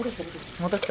また来た。